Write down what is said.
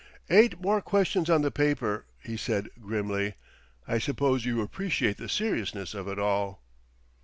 "Eight more questions on the paper," he said grimly. "I suppose you appreciate the seriousness of it all."